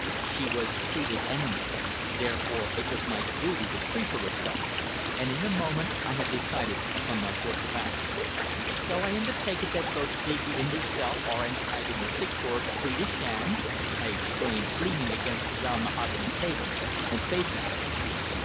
She was Phrida's enemy. Therefore it was my duty to treat her as such, and in a moment I had decided upon my course of action. "So I am to take it that both Digby and yourself are antagonistic towards Phrida Shand?" I exclaimed, leaning against the round mahogany table and facing her.